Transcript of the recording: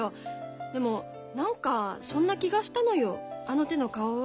でも何かそんな気がしたのよあの手の顔は。